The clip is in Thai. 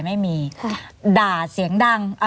ไม่มีด่าเสียงดัง